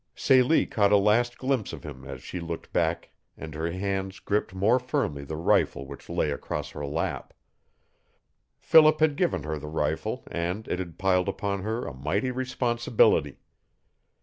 Celie caught a last glimpse of him as she looked back and her hands gripped more firmly the rifle which lay across her lap. Philip had given her the rifle and it had piled upon her a mighty responsibility.